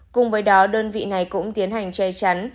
cùng với đó đơn vị này cũng tiến hành che chắn